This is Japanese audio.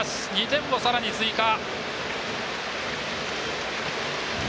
２点をさらに追加。